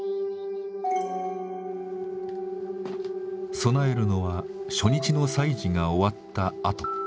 供えるのは初日の祭事が終わったあと。